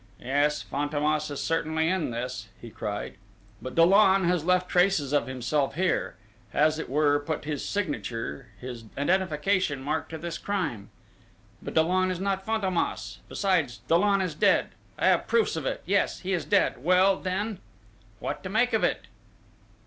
"Yes, Fantômas is certainly in this!" he cried.... But Dollon has left traces of himself here has, as it were, put his signature, his identification mark to this crime!... But Dollon is not Fantômas ... besides Dollon is dead!... I have proofs of it yes, he is dead!... Well then?... What to make of it?